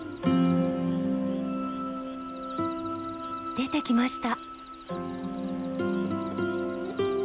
出てきました！